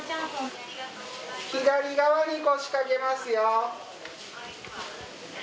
左側に腰掛けますよ。